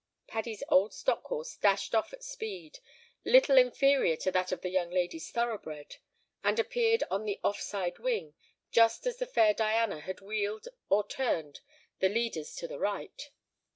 '" Paddy's old stock horse dashed off at speed, little inferior to that of the young lady's thoroughbred, and appeared on the "off side wing" just as the fair Diana had wheeled (or turned) the leaders to the right.